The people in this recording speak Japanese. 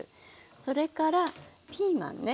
それからピーマンね。